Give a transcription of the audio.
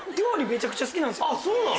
あっそうなの？